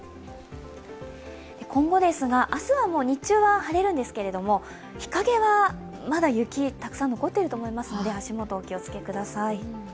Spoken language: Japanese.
今後、明日はもう日中は晴れるんですが、日陰はまだ雪たくさん残っていると思いますので、足元、お気をつけください。